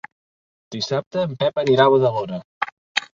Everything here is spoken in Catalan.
Dissabte en Pep anirà a Badalona.